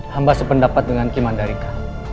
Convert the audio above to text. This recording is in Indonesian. saya sependapat dengan mnuki mandalaka